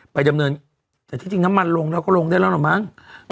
ไปดำเนินแต่ที่จริงน้ำมันลงแล้วก็ลงได้แล้วล่ะมั้ง